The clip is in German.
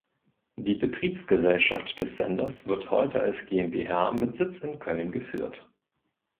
Die Betriebsgesellschaft des Senders wird heute als GmbH mit Sitz in Köln geführt.